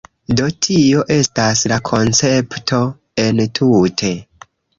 Do, tio estas la koncepto entute